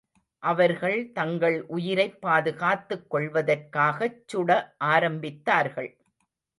அவர்கள் தங்கள் உயிரைப் பாதுகாத்துக் கொள்வதற்காகச் சுட ஆரம்பித்தார்கள்.